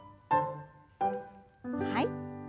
はい。